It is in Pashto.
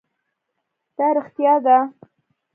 دا رښتيا ده؟